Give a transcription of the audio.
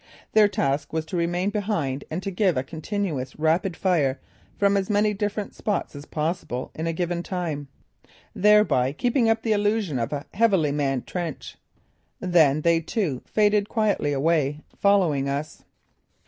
Their task was to remain behind and to give a continuous rapid fire from as many different spots as possible in a given time, thereby keeping up the illusion of a heavily manned trench. Then, they too had faded quietly away, following us.